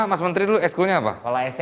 mas menteri lu x schoolnya apa